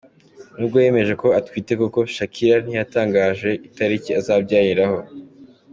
N’ubwo yemeje ko atwite koko, Shakira ntiyatangaje itariki azabyariraho.